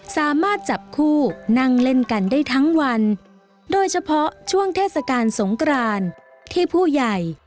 สามารถจับคู่นั่งเล่นกันได้ทั้งวันโดยเฉพาะช่วงเทศกาลสงกรานที่ผู้ใหญ่